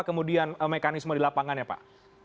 kemudian mekanisme di lapangannya pak